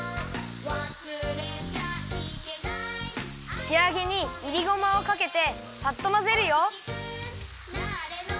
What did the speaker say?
「わすれちゃイケナイ」しあげにいりごまをかけてさっとまぜるよ。